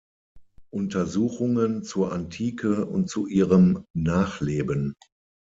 Untersuchungen zur Antike und zu ihrem Nachleben".